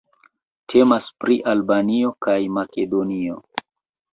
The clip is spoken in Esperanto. Temas pri Albanio kaj Makedonio.